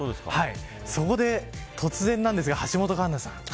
そこで突然なんですが橋本環奈さん。